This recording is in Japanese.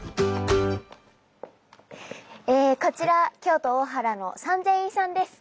こちら京都大原の三千院さんです。